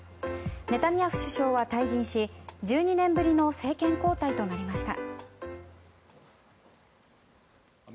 ネタニヤフ首相は退陣し１２年ぶりの政権交代となりました。